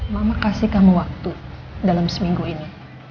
mama kasih kamu waktu dalam seminggu ini